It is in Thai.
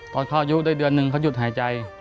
ตอนเข้ายุคได้เงินหนึ่งเขาหยุดหายใจ